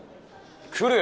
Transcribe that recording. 来るよ